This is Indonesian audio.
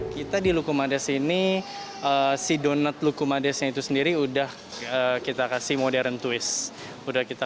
kita di lukumades ini si donat lukumadesnya itu sendiri udah kita kasih modern twist udah kita